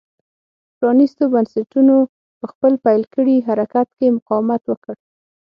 پرانېستو بنسټونو په خپل پیل کړي حرکت کې مقاومت وکړ.